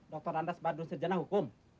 dr randes badun sejenak hukum